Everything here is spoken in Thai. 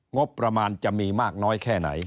งบประมาณจะมีมากน้อยแค่ไหน